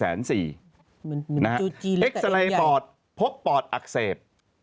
เอ็กซาเรย์ปอดพบปอดอักเสบ